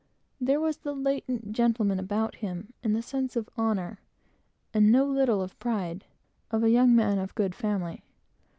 There was the latent gentleman about him, and the sense of honor, and no little of the pride, of a young man of good family.